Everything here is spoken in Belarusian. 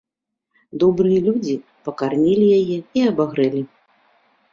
Добрыя людзі пакармілі яе і абагрэлі.